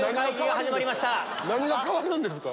ここで何が変わるんですか？